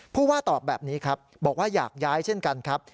ผู้ว่าตอบแบบนี้ครับบอกว่าอยากย้ายเช่นกันครับ